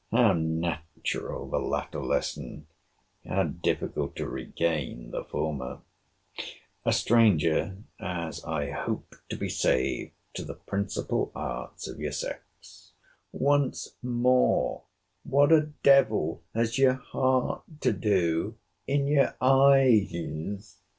How natural the latter lesson! How difficult to regain the former! A stranger, as I hope to be saved, to the principal arts of your sex!—Once more, what a devil has your heart to do in your eyes?